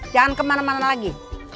jangan kemana mana lagi